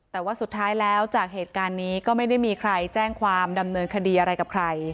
แต่ว่าสุดท้ายแล้วจากเหตุการณ์นี้ก็ไม่ได้มีใครแจ้งความดำเนินคดีอะไรกับใคร